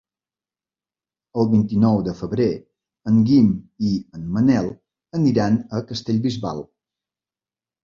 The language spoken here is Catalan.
El vint-i-nou de febrer en Guim i en Manel aniran a Castellbisbal.